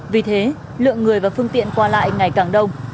vì thế lượng người và phương tiện qua lại ngày càng đông